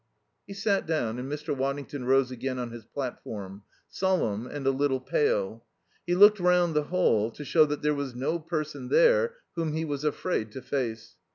He sat down, and Mr. Waddington rose again on his platform, solemn and a little pale. He looked round the hall, to show that there was no person there whom he was afraid to face.